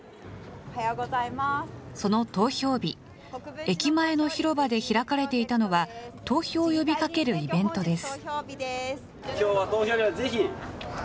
その投票日、駅前の広場で開かれていたのは、投票を呼びかけるイベントです。